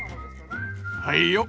はいよ！